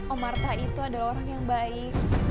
om marta itu adalah orang yang baik